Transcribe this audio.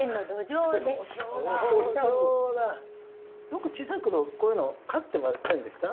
よく小さい頃こういうの飼ってませんでした？